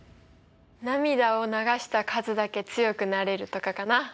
涙を流した数だけ強くなれるとかかな。